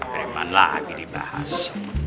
preman lagi dibahas